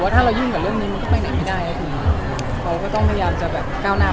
วันแรกเมื่อมีมันดีขึ้นไหมครับ